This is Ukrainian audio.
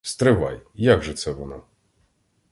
Стривай, як же це воно?